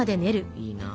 いいな。